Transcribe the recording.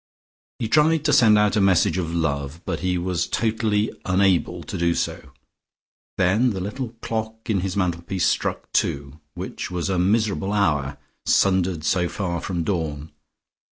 He tried to send out a message of love, but he was totally unable to do so. Then the little clock in his mantelpiece struck two, which was a miserable hour, sundered so far from dawn.